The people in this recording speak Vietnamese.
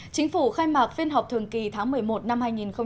chính phủ khai mạc phiên họp thường kỳ tháng một mươi một năm hai nghìn một mươi sáu